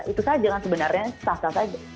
itu saja kan sebenarnya sah sah saja